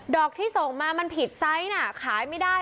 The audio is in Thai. ดอกที่ส่งมาผิดพันธุ์